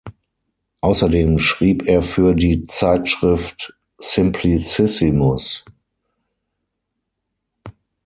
Außerdem schrieb er für die Zeitschrift "Simplicissimus".